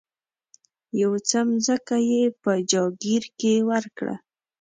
یو څه مځکه یې په جاګیر کې ورکړه.